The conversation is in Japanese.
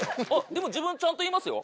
でも自分ちゃんと言いますよ